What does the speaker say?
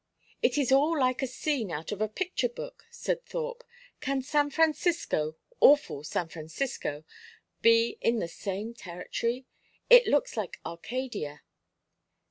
"It is all like a scene out of a picture book," said Thorpe. "Can San Francisco awful San Francisco! be in the same territory? It looks like Arcadia."